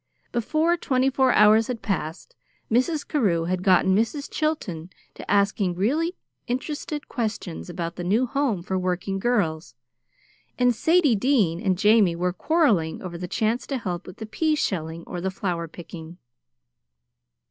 Before twenty four hours had passed, Mrs. Carew had gotten Mrs. Chilton to asking really interested questions about the new Home for Working Girls, and Sadie Dean and Jamie were quarreling over the chance to help with the pea shelling or the flower picking.